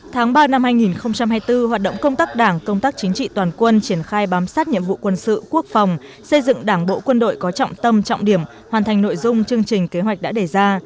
tháng ba năm hai nghìn hai mươi bốn hoạt động công tác đảng công tác chính trị toàn quân triển khai bám sát nhiệm vụ quân sự quốc phòng xây dựng đảng bộ quân đội có trọng tâm trọng điểm hoàn thành nội dung chương trình kế hoạch đã đề ra